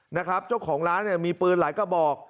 นะครับเจ้าของร้านเนี่ยมีปืนหลายกระบอก